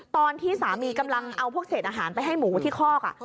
ตอนที่สามีกำลังเอาพวกเศษอาหารไปให้หมูที่คอก